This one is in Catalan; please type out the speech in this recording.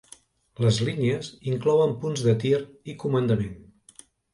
Les línies inclouen punts de tir i comandament.